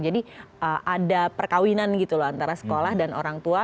jadi ada perkawinan gitu loh antara sekolah dan orang tua